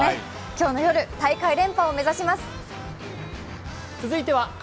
今日の夜、大会連覇を目指します。